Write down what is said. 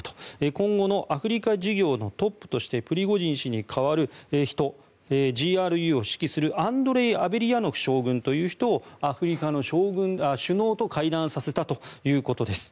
今後のアフリカ事業のトップとしてプリゴジン氏に代わる人ＧＲＵを指揮するアンドレイ・アベリヤノフ将軍という人をアフリカの首脳と会談させたということです。